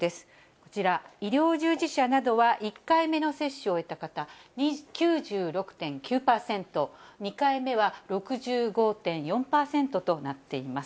こちら、医療従事者などは１回目の接種を終えた方、９６．９％、２回目は６５．４％となっています。